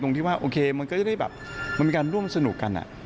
ที่ว่าโอเคมันก็จะได้แบบมันมีการร่วมสนุกกัน